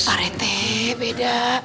pak rete beda